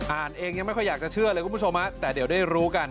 อ่านเองยังไม่ค่อยอยากจะเชื่อเลยคุณผู้ชมฮะแต่เดี๋ยวได้รู้กัน